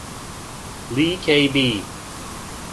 Lee K. B.